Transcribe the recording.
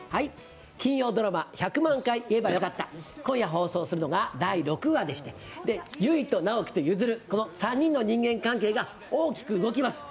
金曜ドラマ「１００万回言えばよかった」、今夜放送するのが第６話でして悠依と直木と譲、この３人の人間関係が大きく動きます。